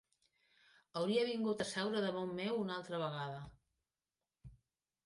Hauria vingut a seure damunt meu una altra vegada.